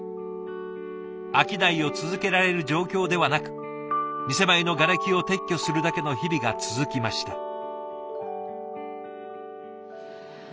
商いを続けられる状況ではなく店前のがれきを撤去するだけの日々が続きました。